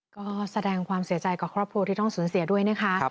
ก็แสดงความเสียใจกับครอบครัวที่ต้องสูญเสียด้วยนะคะ